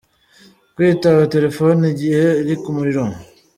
Kwitaba telefoni igihe iri ku muriro.